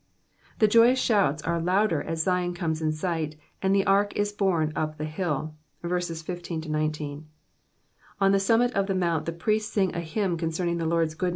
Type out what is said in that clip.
The joyous shouts are louder as Zion comes in sigid, and the ark ui borne up the hill: verses 15—19. On the summit of the mount the priests siiig a hymn concerning the Lords good.